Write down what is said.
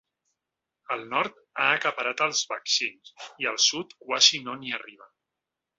El nord ha acaparat els vaccins i al sud quasi no n’hi arriben.